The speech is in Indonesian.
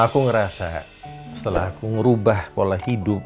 aku ngerasa setelah aku ngerubah pola hidup